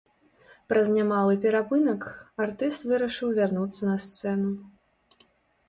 Праз немалы перапынак артыст вырашыў вярнуцца на сцэну.